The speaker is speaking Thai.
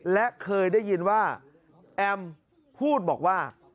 และเคยได้ยินว่าแอมพูดบอกว่า